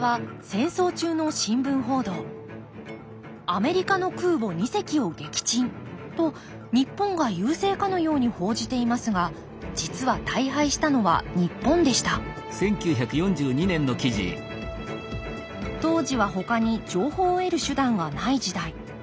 「アメリカの空母二隻を撃沈」と日本が優勢かのように報じていますが実は大敗したのは日本でした当時はほかに情報を得る手段がない時代。